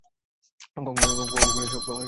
কংগ্রেস শব্দের অর্থ "মহাসভা, সম্মেলন"।